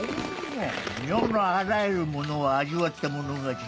世のあらゆるものを味わった者勝ちじゃ。